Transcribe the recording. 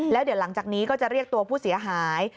แล้วเดี๋ยวหลังจากนี้ก็จะเรียกตัวผู้เสียหาย